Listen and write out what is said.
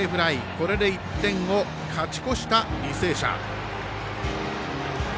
これで１点を勝ち越した履正社。